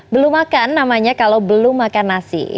belum makan namanya kalau belum makan nasi